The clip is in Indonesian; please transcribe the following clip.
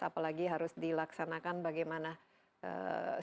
apalagi harus dilaksanakan bagaimana